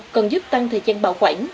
còn giúp tăng thời gian bảo quản